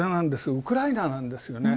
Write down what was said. ウクライナなんですよね。